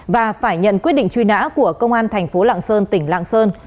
và phải nhận quyết định truy nã của công an thành phố lạng sơn tỉnh lạng sơn